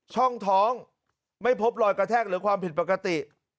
ช่องท้องไม่พบรอยกระแทกหรือความผิดปกติ